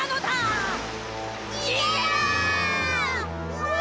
うわ！